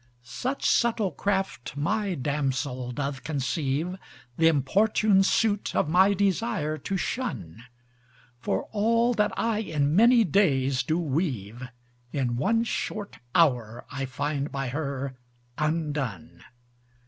Such subtle craft my Damsel doth conceive, Th'importune suit of my desire to shun: For all that I in many days do weave, In one short hour I find by her undone.